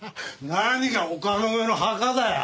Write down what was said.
何が丘の上の墓だよ。